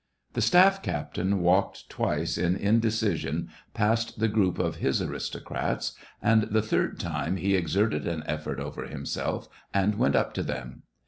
The staff captain walked twice in indecision past the group of his aristocrats, and the third time he exerted an effort over himself and went up to them.